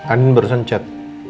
andin barusan chat